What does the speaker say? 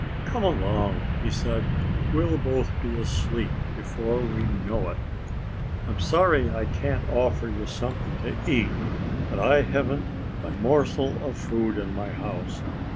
"Come along!" he said. "We'll both be asleep before we know it. I'm sorry I can't offer you something to eat. But I haven't a morsel of food in my house.